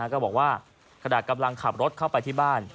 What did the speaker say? ก็บอกว่าขณะกำลังขับรถเข้าไปที่บ้าน